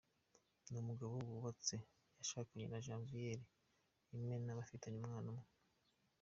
Ni Umugabo wubatse, yashakanye na Janviere Imena bafitanye umwana umwe.